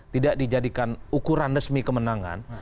tidak dijadikan ukuran resmi kemenangan